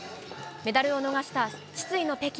メダルを逃した失意の北京。